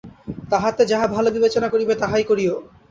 তাহাতে যাহা ভাল বিবেচনা করিবে, তাহাই করিও।